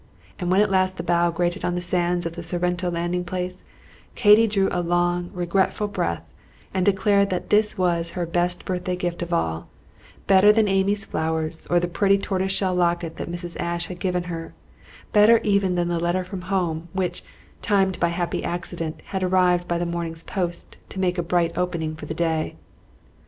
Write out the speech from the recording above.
And when at last the bow grated on the sands of the Sorrento landing place, Katy drew a long, regretful breath, and declared that this was her best birthday gift of all, better than Amy's flowers, or the pretty tortoise shell locket that Mrs. Ashe had given her, better even than the letter from home, which, timed by happy accident, had arrived by the morning's post to make a bright opening for the day.